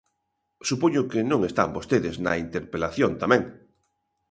Supoño que non están vostedes na interpelación tamén.